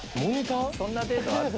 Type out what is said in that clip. そんなデートある？